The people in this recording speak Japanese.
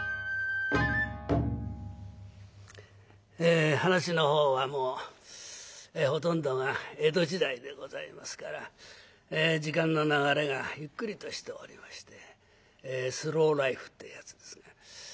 え噺の方はもうほとんどが江戸時代でございますから時間の流れがゆっくりとしておりましてスローライフっていうやつですが。